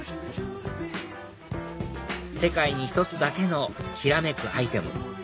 世界に一つだけのきらめくアイテム